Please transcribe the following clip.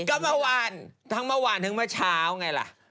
ก็เมื่อวานทั้งเมื่อวานทั้งเมื่อเช้าไงล่ะ